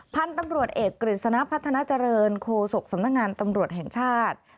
พันธุ์ตำรวจเอกกฤษณะพัฒนาเจริญโคศกสำนักงานตำรวจแห่งชาติ